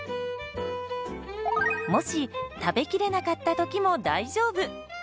もし食べきれなかった時も大丈夫。